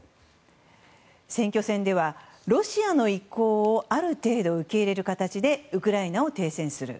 選挙戦では、ロシアの意向をある程度、受け入れる形でウクライナを停戦する。